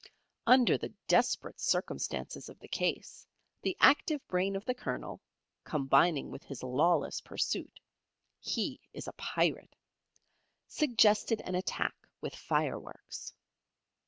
Under the desperate circumstances of the case, the active brain of the Colonel, combining with his lawless pursuit (he is a Pirate), suggested an attack with fireworks.